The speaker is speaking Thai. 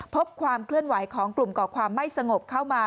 พบความเคลื่อนไหวของกลุ่มก่อความไม่สงบเข้ามา